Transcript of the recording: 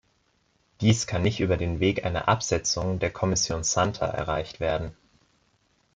Dies kann nicht über den Weg einer Absetzung der Kommission Santer erreicht werden.